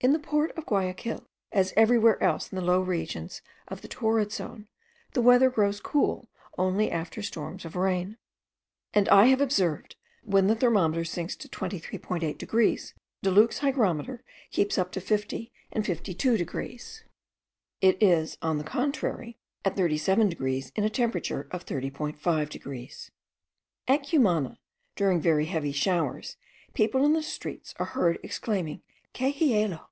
In the port of Guayaquil, as everywhere else in the low regions of the torrid zone, the weather grows cool only after storms of rain: and I have observed that when the thermometer sinks to 23.8 degrees, De Luc's hygrometer keeps up to fifty and fifty two degrees; it is, on the contrary, at thirty seven degrees in a temperature of 30.5 degrees. At Cumana, during very heavy showers, people in the streets are heard exclaiming, que hielo!